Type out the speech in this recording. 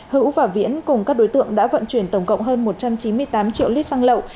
hữu và viễn cùng các đối tượng đã vận chuyển tổng cộng hơn một trăm chín mươi tám triệu lít xăng lậu